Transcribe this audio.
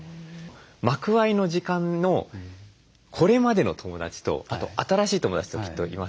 幕間の時間のこれまでの友だちと新しい友だちときっといますよね。